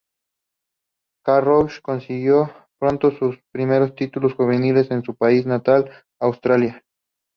Carroll consiguió pronto sus primeros títulos juveniles en su país natal, Australia.